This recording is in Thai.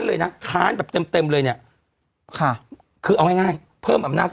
เลยนะคารแบบเต็มเลยเนี้ยค่ะคือเอาง่ายเพิ่มอำนาต์